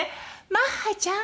マッハちゃん！